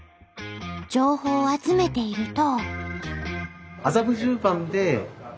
情報を集めていると。